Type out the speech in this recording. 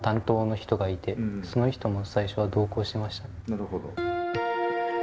なるほど。